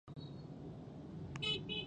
طبقاتي شعور او پښتو ادب کې.